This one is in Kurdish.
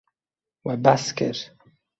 We behs kir.